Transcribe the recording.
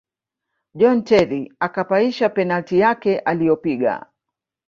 john terry akapaisha penati yake aliyopiga